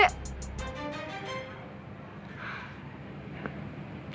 udah malem juga